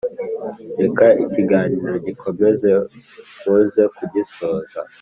reka ikiganiro gikomeze muze kugisoza